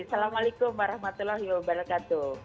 assalamualaikum warahmatullahi wabarakatuh